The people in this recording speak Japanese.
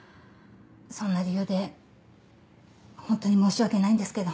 そんな理由で本当に申し訳ないんですけど。